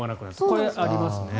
これ、ありますね。